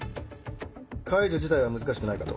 解除自体は難しくないかと。